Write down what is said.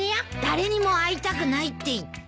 誰にも会いたくないって言って。